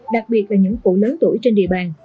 đặc biệt là những cụ lớn tuổi trên địa bàn